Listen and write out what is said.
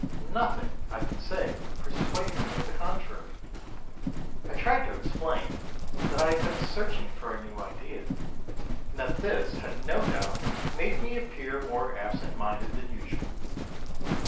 Nothing I could say would persuade her of the contrary. I tried to explain that I had been searching for a new idea and that this had no doubt made me appear more absent minded than usual.